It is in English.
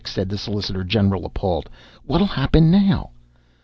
said the solicitor general, appalled. "What'll happen now?"